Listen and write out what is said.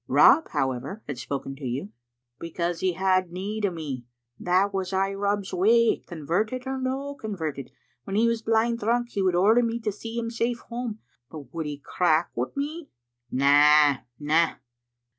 "Rob, however, had spoken to you." " Because he had need o' me. That was ay Rob's way, converted or no converted. When he was blind drunk he would order me to see him safe hame, but would he crack wi' me? Na, na."